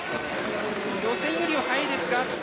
予選よりは早いですが。